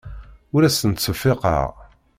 Ur asent-ttseffiqeɣ.